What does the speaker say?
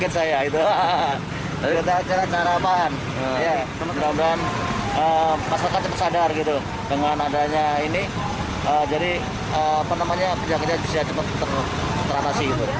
semoga masyarakat sempat sadar dengan adanya ini jadi pejabatnya bisa cepat teratasi